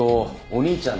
お兄ちゃん！？